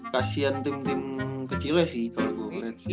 kasian tim tim kecilnya sih kalo gue liat sih